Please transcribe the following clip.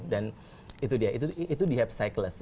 dan itu dia itu di hype cycles